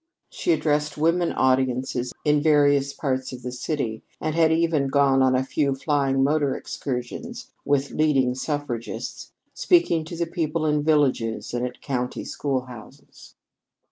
She addressed women audiences in various parts of the city, and had even gone on a few flying motor excursions with leading suffragists, speaking to the people in villages and at country schoolhouses.